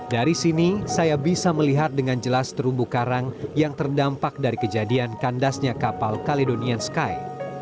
dari sini saya bisa melihat dengan jelas terumbu karang yang terdampak dari kejadian kandasnya kapal caledonian sky